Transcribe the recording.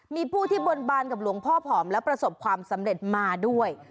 มีผู้ที่บนบานกับหลวงพ่อผอมและประสบความสำเร็จมาด้วย